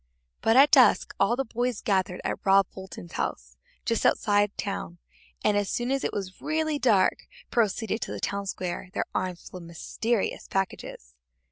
But at dusk all the boys gathered at Rob Fulton's house, just outside town, and as soon as it was really dark proceeded to the town square, their arms full of mysterious packages.